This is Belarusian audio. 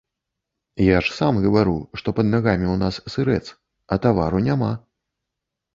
Я ж сам гавару, што пад нагамі ў нас сырэц, а тавару няма.